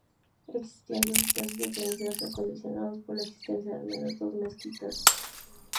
Existían dos espacios diferenciados, condicionados por la existencia de al menos dos mezquitas.